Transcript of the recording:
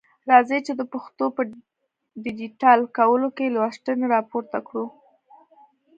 راځئ چي د پښتو په ډيجيټل کولو کي لستوڼي را پورته کړو.